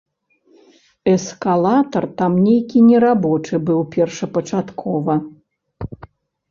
Эскалатар там нейкі нерабочы быў першапачаткова.